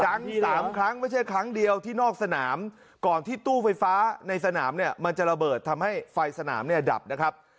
สามครั้งไม่ใช่ครั้งเดียวที่นอกสนามก่อนที่ตู้ไฟฟ้าในสนามเนี่ยมันจะระเบิดทำให้ไฟสนามเนี่ยดับนะครับ